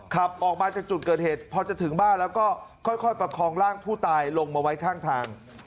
ขับออกมาจากจุดเกิดเหตุพอจะถึงบ้านแล้วก็ค่อยประคองร่างผู้ตายลงมาไว้ข้างทาง